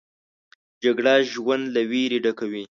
جګړه ژوند له ویرې ډکوي